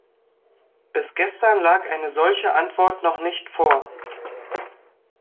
Bis gestern lag eine solche Antwort noch nicht vor.